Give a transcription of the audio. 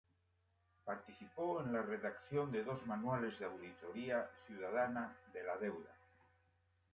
Participó en la redacción de dos manuales de auditoría ciudadana de la deuda.